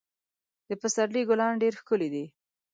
د پسرلي ګلان ډېر ښکلي دي.